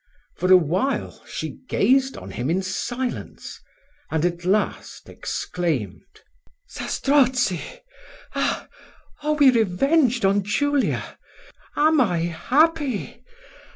For a while she gazed on him in silence, and at last exclaimed, "Zastrozzi! ah! are we revenged on Julia? am I happy?